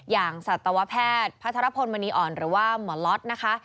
สัตวแพทย์พัทรพลมณีอ่อนหรือว่าหมอล็อตนะคะ